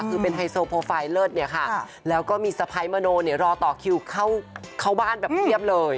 คือเป็นไฮโซโปรไฟล์เลิศเนี่ยค่ะแล้วก็มีสะพ้ายมโนเนี่ยรอต่อคิวเข้าบ้านแบบเพียบเลย